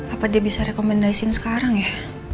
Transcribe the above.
apa dia bisa rekomendasiin sekarang ya